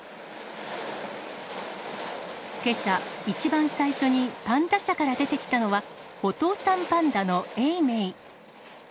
けさ、一番最初にパンダ舎から出てきたのは、お父さんパンダの永明。